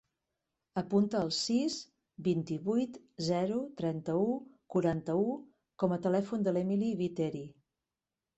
Apunta el sis, vint-i-vuit, zero, trenta-u, quaranta-u com a telèfon de l'Emily Viteri.